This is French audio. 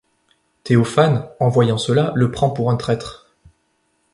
Théophane, en voyant cela, le prend pour un traître.